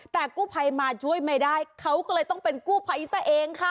แต่กู้ภัยมาช่วยไม่ได้เขาก็เลยต้องเป็นกู้ภัยซะเองค่ะ